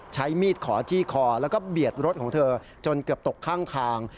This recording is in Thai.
ใช้มีดขอจี้คอแล้วก็เบียดรถของเธอจนเกือบตกข้างทาง